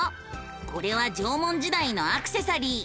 これは縄文時代のアクセサリー。